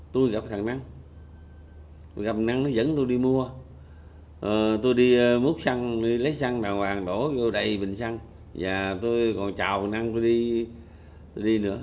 tôi gặp thằng năng gặp thằng năng nó dẫn tôi đi mua tôi đi muốt xăng lấy xăng đào hoàng đổ vô đầy bình xăng và tôi còn chào thằng năng tôi đi nữa